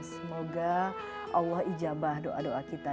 semoga allah ijabah doa doa kita